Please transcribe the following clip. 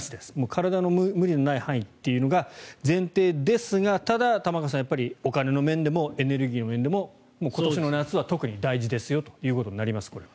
体の無理のない範囲というのが前提ですがただ、玉川さん、お金の面でもエネルギーの面でも今年の夏は特に大事ですよということになります。